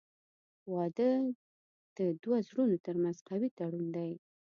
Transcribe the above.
• واده د دوه زړونو ترمنځ قوي تړون دی.